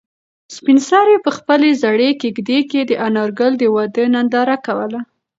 سپین سرې په خپلې زړې کيږدۍ کې د انارګل د واده ننداره کوله.